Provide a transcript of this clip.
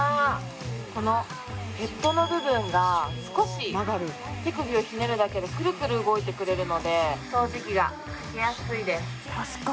このヘッドの部分が少し手首をひねるだけでくるくる動いてくれるので掃除機がかけやすいです